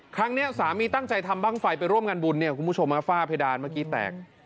ครั้งนี้สามีตั้งใจทำบ้างไฟไปร่วมงานบุญเนี่ยคุณผู้ชมฝ้าเพดานเมื่อกี้แตก